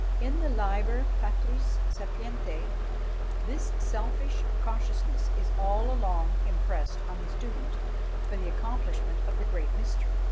In the "Liber Patris Sapientiæ" this selfish cautiousness is all along impressed on the student for the accomplishment of the great mystery.